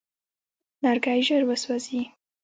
لرګی ژر وسوځي.